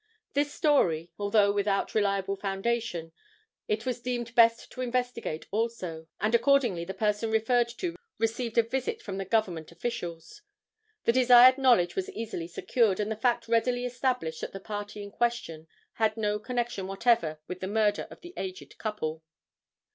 This story, although without reliable foundation, it was deemed best to investigate also, and accordingly the person referred to received a visit from the Government officials. The desired knowledge was easily secured, and the fact readily established that the party in question had no connection whatever with the murder of the aged couple.